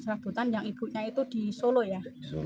serabutan yang ibunya itu di solo ya